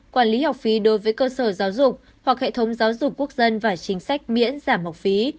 quản lý học phí đối với cơ sở giáo dục hoặc hệ thống giáo dục quốc dân và chính sách miễn giảm học phí